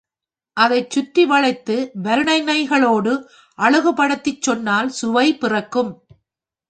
அதைச் சுற்றி வளைத்து வருணனைகளோடு அழகுபடுத்திச் சொன்னால் சுவை பிறக்கும்.